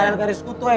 eh parah dari sekutu ya